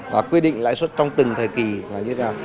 và quy định lãi suất trong từng thời kỳ là như thế nào